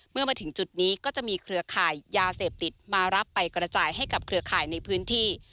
เมื่อมาถึงจุดนี้ก็จะมีเครือข่ายยาเสพติดมารับไปกระจายให้กับเครือข่ายในพื้นที่